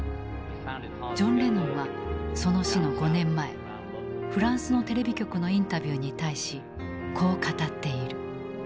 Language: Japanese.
ジョン・レノンはその死の５年前フランスのテレビ局のインタビューに対しこう語っている。